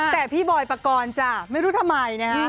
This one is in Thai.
แต่พี่บอยปกรณ์จ้ะไม่รู้ทำไมนะฮะ